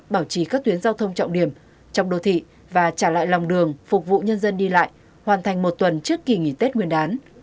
bảo trì các tuyến giao thông trọng điểm trong đô thị và trả lại lòng đường phục vụ nhân dân đi lại hoàn thành một tuần trước kỳ nghỉ tết nguyên đán